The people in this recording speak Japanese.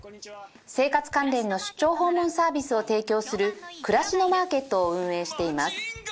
生活関連の出張訪問サービスを提供するくらしのマーケットを運営しています